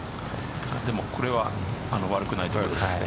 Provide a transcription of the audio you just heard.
でも、これは悪くない所ですね。